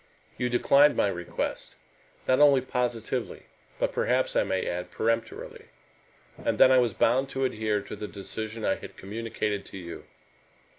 You declined my request, not only positively, but perhaps I may add peremptorily; and then I was bound to adhere to the decision I had communicated to you.